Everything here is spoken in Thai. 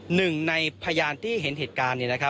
หนึ่งในพยานที่เห็นเหตุการณ์